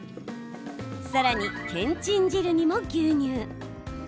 さらに、けんちん汁にも牛乳。